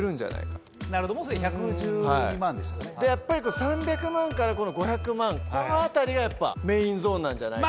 やっぱり３００万から５００万この辺りがやっぱメインゾーンなんじゃないか。